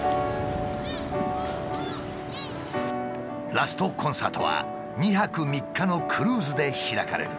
ラストコンサートは２泊３日のクルーズで開かれる。